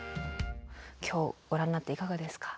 今日ご覧になっていかがですか？